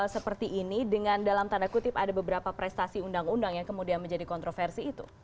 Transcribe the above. seperti ini dengan dalam tanda kutip ada beberapa prestasi undang undang yang kemudian menjadi kontroversi itu